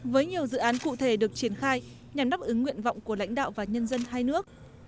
với nhiều dự án cụ thể được triển khai nhằm đáp ứng nguyện vọng của lãnh đạo và nhân dân hai nước